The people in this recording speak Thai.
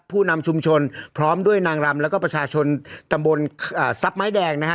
ผู้นำชุมชนพร้อมด้วยนางรำแล้วก็ประชาชนตำบลทรัพย์ไม้แดงนะฮะ